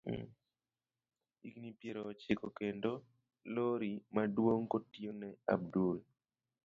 Higni piero ochiko kendo lori maduong kotiyo ne Abdul.